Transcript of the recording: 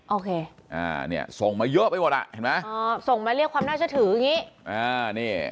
โอเคนี่ส่งมาเยอะไปหมดละส่งมาเรียกความน่าจะถืออย่างนี้